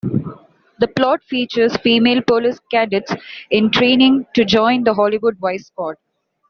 The plot features female police cadets in training to join the Hollywood vice squad.